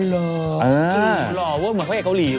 หล่อเวิร์ดเหมือนเขาใหญ่เกาหลี